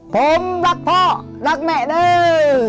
ผมรักพ่อรักแม่เด้อ